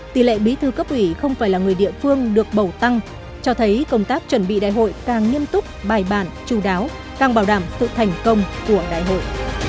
tỷ lệ bí thư cấp ủy không phải là người địa phương được bầu tăng cho thấy công tác chuẩn bị đại hội càng nghiêm túc bài bản chú đáo càng bảo đảm sự thành công của đại hội